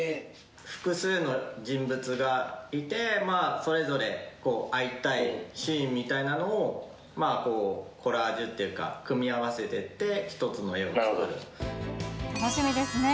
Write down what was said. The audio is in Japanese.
複数の人がいて、それぞれ会いたいシーンみたいなのを、コラージュっていうか、組み合わ楽しみですね。